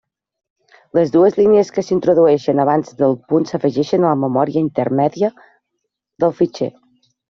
Les dues línies que s'introdueixen abans del punt s'afegeixen a la memòria intermèdia del fitxer.